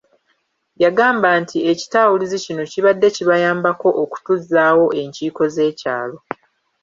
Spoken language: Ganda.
Yagamba nti ekitawuluzi kino kibadde kibayambako okutuzzaawo enkiiko z’ekyalo.